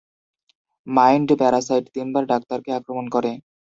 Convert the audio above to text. Mind parasite তিনবার ডাক্তারকে আক্রমণ করে।